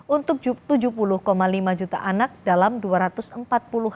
untuk tujuh puluh lima juta anak dalam dua ratus empat puluh